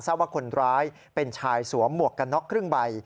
ว่าคนร้ายเป็นชายสวมหมวกกันน็อกครึ่งใบ